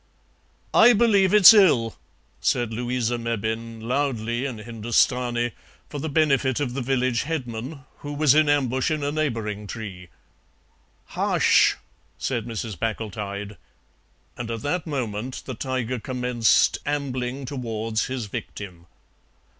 "I believe it's ill," said Louisa Mebbin, loudly in Hindustani, for the benefit of the village headman, who was in ambush in a neighbouring tree. "Hush!" said Mrs. Packletide, and at that moment the tiger commenced ambling towards his victim.